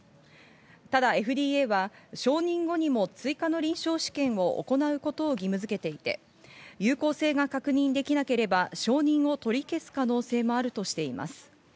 ただＦＤＡは承認後にも追加の臨床試験を行うことを義務づけていて、有効性が確認できなければ承認を取り消す可能性もあるとしています。